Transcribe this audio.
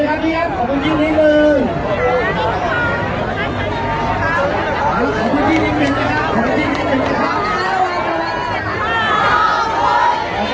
ขอบคุณมากนะคะแล้วก็แถวนี้ยังมีชาติของ